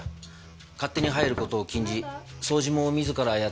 勝手に入る事を禁じ掃除も自らやっていたらしい。